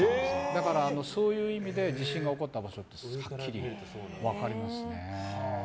だから、そういう意味で地震が起こった場所ってはっきり分かりますね。